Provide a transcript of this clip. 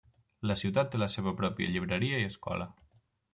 La ciutat té la seva pròpia llibreria i escola.